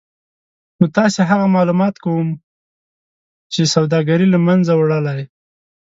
نو تاسې هغه مالومات کوم چې سوداګري له منځه وړلای